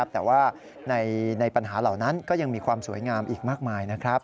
แต่ว่าในปัญหาเหล่านั้นก็ยังมีความสวยงามอีกมากมายนะครับ